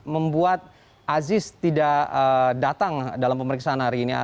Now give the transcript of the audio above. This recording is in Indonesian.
membuat aziz tidak datang dalam pemeriksaan hari ini